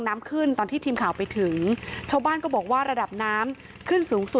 น้ำขึ้นตอนที่ทีมข่าวไปถึงชาวบ้านก็บอกว่าระดับน้ำขึ้นสูงสุด